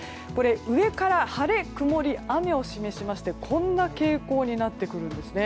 上から晴れ、曇り、雨を示しましてこんな傾向になってくるんです。